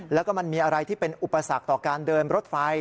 แล้วก็มันมีอะไรที่เป็นอุปสรรคต่อการเดินรถไฟ